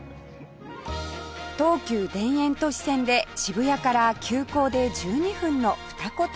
東急田園都市線で渋谷から急行で１２分の二子玉川